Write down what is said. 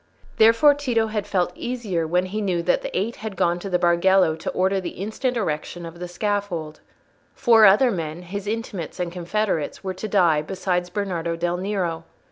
Therefore Tito had felt easier when he knew that the Eight had gone to the Bargello to order the instant erection of the scaffold. Four other men—his intimates and confederates—were to die, besides Bernardo del Nero.